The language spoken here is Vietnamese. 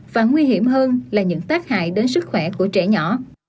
và nguy hiểm hơn là những tác hại đến sức khỏe của trẻ nhỏ